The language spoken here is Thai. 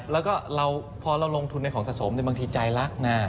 แล้วก็พอเราลงทุนในของสะสมบางทีใจรักนะ